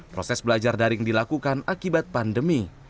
proses belajar daring dilakukan akibat pandemi